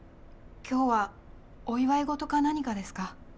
今日はお祝い事か何かですか？